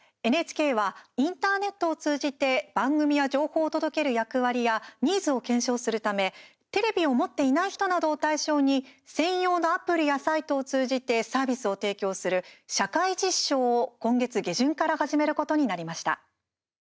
ＮＨＫはインターネットを通じて番組や情報を届ける役割やニーズを検証するためテレビを持っていない人などを対象に専用のアプリやサイトを通じてサービスを提供する社会実証を今月下旬から始めることになりました。